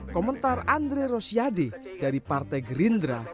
komentar andre rosiade dari partai gerindra